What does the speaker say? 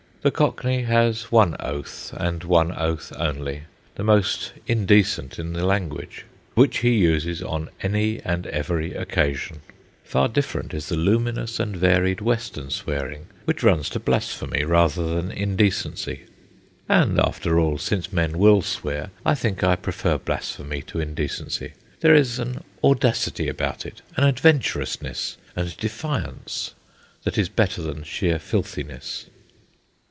The Cockney has one oath, and one oath only, the most indecent in the language, which he uses on any and every occasion. Far different is the luminous and varied Western swearing, which runs to blasphemy rather than indecency. And after all, since men will swear, I think I prefer blasphemy to indecency; there is an audacity about it, an adventurousness and defiance that is better than sheer filthiness.